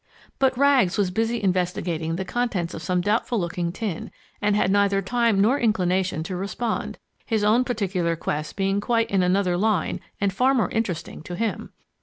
But Rags was busy investigating the contents of some doubtful looking tin, and had neither time nor inclination to respond, his own particular quests being quite in another line and far more interesting to him!